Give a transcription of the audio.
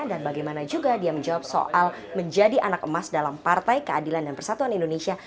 dan bagaimana juga dia menjawab soal menjadi anak emas dalam partai keadilan dan persatuan indonesia